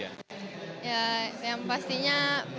ya yang pastinya